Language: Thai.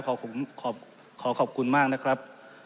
ขอขอบคุณมากนะครับ